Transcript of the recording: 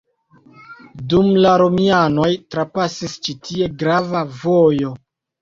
Dum la romianoj trapasis ĉi tie grava vojo.